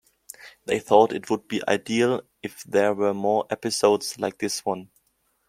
They thought it would be ideal if there were more episodes like this one.